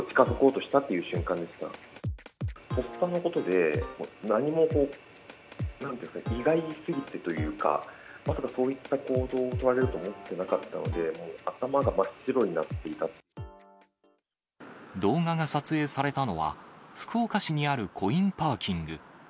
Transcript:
とっさのことで、何もこう、なんていうんですか、意外すぎてというか、まさかこういった行動を取られると思っていなかったので、もう頭動画が撮影されたのは、福岡市にあるコインパーキング。